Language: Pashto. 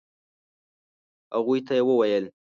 هغوی ته يې وويل.